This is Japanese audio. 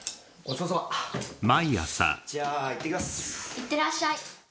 いってらっしゃい。